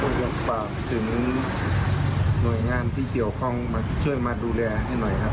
อยากฝากถึงหน่วยงานที่เกี่ยวข้องมาช่วยมาดูแลให้หน่อยครับ